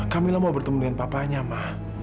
kamila mau bertemu dengan papanya ma